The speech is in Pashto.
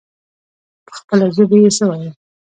په خپله ژبه يې څه ويل.